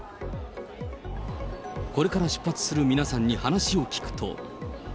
これから出発する皆さんに話を聞くと。